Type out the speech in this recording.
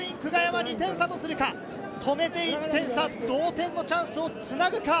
２点差とするか、止めて１点差、同点のチャンスをつなぐか？